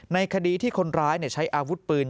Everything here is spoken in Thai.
ในคดีที่คนร้ายใช้อาวุธปืน